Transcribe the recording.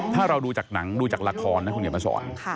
ถ้าเราดูจากหนังดูจากละครคุณจะมาสอน